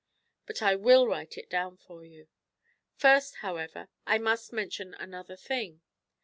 But I luill write it down for you. First, however, I must mention another thing.